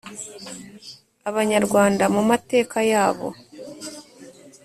Abanyarwanda mu mateka yabo